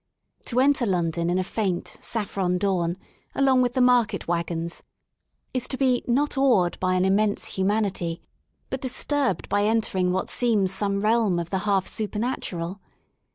To enter London in a faint, saffron dawn, along with the market wagons, is to be not awed by an immense humanity but disturbed by entering what seems some realm of the half supernatural.